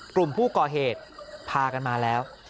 กลุ่มผู้ก่อเหตุพากันมาแล้ว